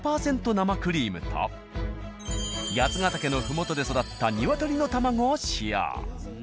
生クリームと八ヶ岳の麓で育った鶏の卵を使用。